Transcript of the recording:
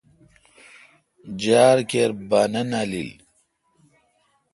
جار کیر بانہ نالیل۔